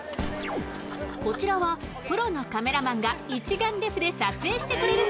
こちらはプロのカメラマンが一眼レフで撮影してくれるサービス